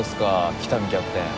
喜多見キャプテン。